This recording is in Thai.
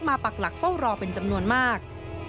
ปักหลักเฝ้ารอเป็นจำนวนมาก